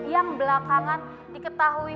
yang belakangan diketahui